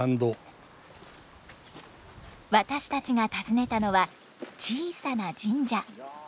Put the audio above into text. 私たちが訪ねたのは小さな神社。